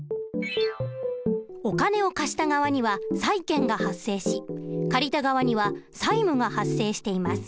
お金を貸した側には債権が発生し借りた側には債務が発生しています。